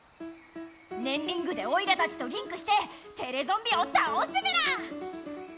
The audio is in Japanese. ねんリングでオイラたちとリンクしてテレゾンビをたおすメラ！